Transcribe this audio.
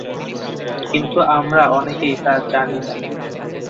কিন্তু আমরা অনেকেই তা জানি না।